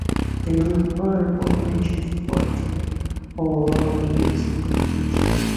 No honorable mention or fourth team or lower are used in the computation.